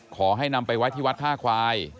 ขอให้นำไปไว้ที่วัดท่าควาย